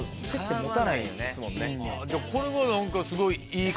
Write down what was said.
これが何かすごい。